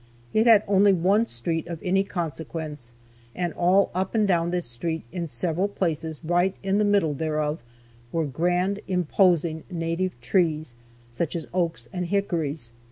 It had only one street of any consequence, and all up and down this street, in several places right in the middle thereof, were grand, imposing native trees, such as oaks and hickories.